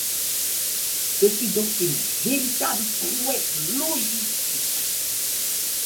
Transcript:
Ce fut donc une véritable prouesse logistique.